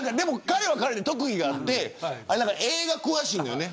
彼は彼で特技があって映画詳しいのよね。